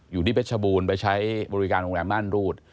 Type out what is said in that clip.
อยู่ที่เป็ดชะบูนไปใช้บริการโรงแรมนั่นรูด